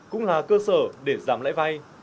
cũng là cơ sở để giảm lãi vay